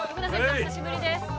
お久しぶりです